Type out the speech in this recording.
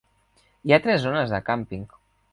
Hi ha tres zones de càmping.